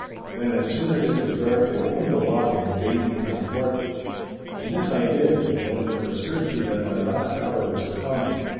Then as soon as it was dark they opened the lock and bade me come forth. And this I did, knowing for a certainty that my last hour was come.